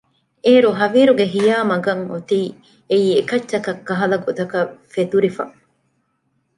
އޭރު ހަވީރުގެ ހިޔާ މަގަށް އޮތީ އެކީ އެކައްޗަކަށް ކަހަލަ ގޮތަކަށް ފެތުރިފަ